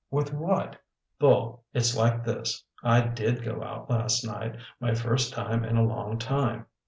With what?" "Bull, it's like this. I did go out last night, my first time in a long time.